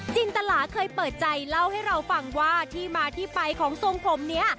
จินตลาเคยเปิดใจเล่าให้เราฟังว่าที่มาที่ไปของทรงผมนี้